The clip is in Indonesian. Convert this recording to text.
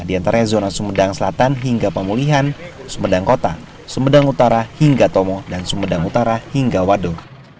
di antaranya zona sumedang selatan hingga pemulihan sumedang kota sumedang utara hingga tomo dan sumedang utara hingga waduk